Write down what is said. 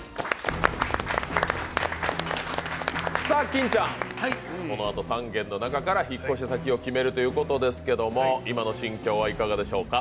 金ちゃん、このあと３軒の中から引っ越し先を決めるということですけれど今の心境はいかがでしょうか？